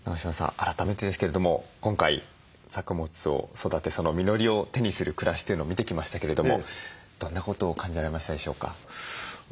改めてですけれども今回作物を育てその実りを手にする暮らしというのを見てきましたけれどもどんなことを感じられましたでしょうか？